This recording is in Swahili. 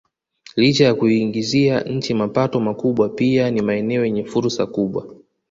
Licha ya kuiingizia nchi mapato makubwa pia ni maeneo yenye fursa kubwa